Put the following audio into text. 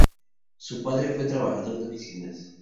Su padre fue un trabajador de oficinas.